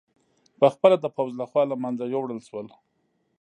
په خپله د پوځ له خوا له منځه یووړل شول